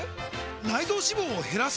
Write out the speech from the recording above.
内臓脂肪を減らす！？